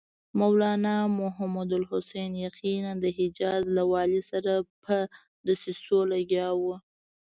مولنا محمودالحسن یقیناً د حجاز له والي سره په دسیسو لګیا و.